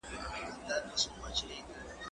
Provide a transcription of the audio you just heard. هغه وويل چي تمرين مهم دي؟!